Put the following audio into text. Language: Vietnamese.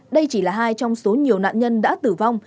đây chỉ là hai trong số nhiều nạn nhân đã tử vong